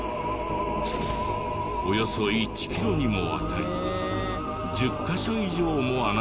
およそ１キロにもわたり１０カ所以上も穴が点在。